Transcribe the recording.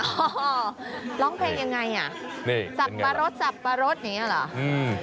ร้องเพลงยังไงสับปะรดสับปะรดอย่างนี้เหรอ